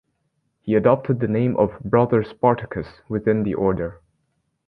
He adopted the name of "Brother Spartacus" within the order.